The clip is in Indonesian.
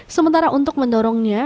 sementara untuk mendorongnya